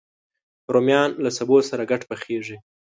رومیان له سبو سره ګډ پخېږي